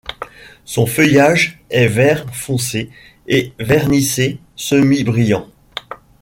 Son feuillage est vert foncé et vernissé semi-brillant.